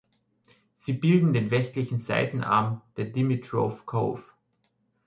Sie bildet den westlichen Seitenarm der Dimitrov Cove.